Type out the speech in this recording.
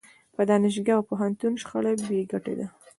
په دانشګاه او پوهنتون شخړه بې ګټې ده.